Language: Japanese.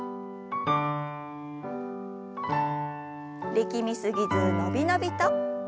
力み過ぎず伸び伸びと。